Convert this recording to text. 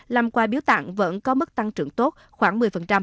làm quà biếu tặng vẫn có mức tăng trưởng tốt khoảng một mươi